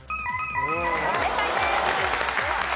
正解です。